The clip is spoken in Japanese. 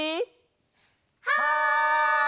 はい！